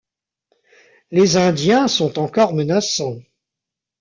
Les Indiens sont encore menaçants.